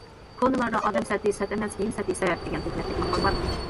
كونىلاردا:« ئادەم سەتى سەت ئەمەس، كىيىم سەتى سەت» دېگەن ھېكمەتلىك ماقال بار.